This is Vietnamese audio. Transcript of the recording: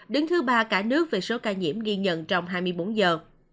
đứng thứ ba cả nước về số ca nhiễm ghi nhận trong hai mươi bốn giờ